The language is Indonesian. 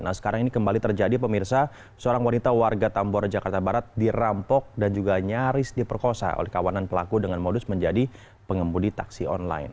nah sekarang ini kembali terjadi pemirsa seorang wanita warga tambora jakarta barat dirampok dan juga nyaris diperkosa oleh kawanan pelaku dengan modus menjadi pengemudi taksi online